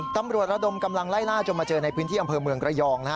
ตำรวจระดมกำลังไล่ล่าจนมาเจอในพื้นที่อำเภอเมืองระยองนะฮะ